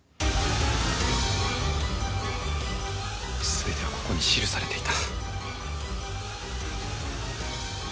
全てはここに記されていた。